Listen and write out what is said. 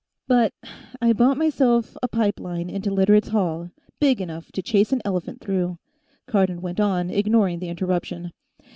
"... But I bought myself a pipe line into Literates' Hall big enough to chase an elephant through," Cardon went on, ignoring the interruption.